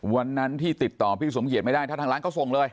วันนั้นที่ติดต่อพี่สมเกียจไม่ได้ถ้าทางร้านเขาส่งเลย